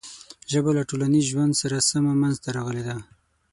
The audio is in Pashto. ژبه له ټولنیز ژوند سره سمه منځ ته راغلې ده.